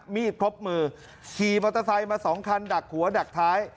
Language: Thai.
มีดครบมือขี่มอเตอร์ไซค์มาสองคันดักหัวดักท้าย